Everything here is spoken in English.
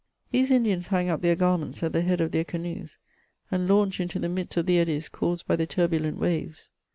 These Indians hang up their garments at the head of their canoes, and launch into the midst of the eddies caused by the turbulent waves.